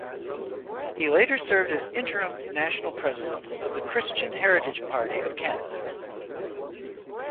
He later served as interim national president of the Christian Heritage Party of Canada.